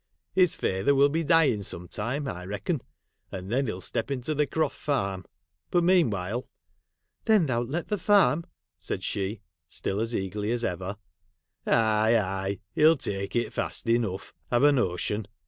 His father will be dying sometime, I reckon, and then he '11 step into the Croft Farm. But meanwhile '—' Then, thou It let the farm,' said she, still as eagerly as ever. ' Aye, aye, he '11 take it fast enough, I Ve a notion.